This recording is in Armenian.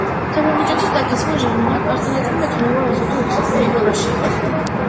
Թմրամիջոցի տաքացման ժամանակ արտանետվում է թունավոր ազոտի օքսիդների գոլորշի։